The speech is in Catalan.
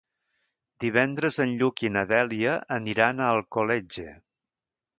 Divendres en Lluc i na Dèlia aniran a Alcoletge.